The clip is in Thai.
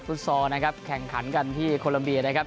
ซอลนะครับแข่งขันกันที่โคลัมเบียนะครับ